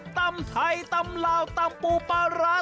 ตำไทยตำลาวตำปูปลาร้า